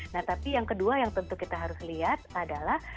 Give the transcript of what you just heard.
nah tapi yang kedua yang tentu kita harus lihat adalah